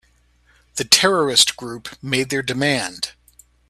The terrorist group made their demand.